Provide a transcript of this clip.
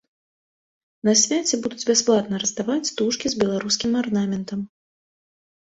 На свяце будуць бясплатна раздаваць стужкі з беларускім арнаментам.